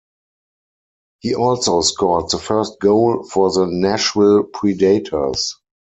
He also scored the first goal for the Nashville Predators.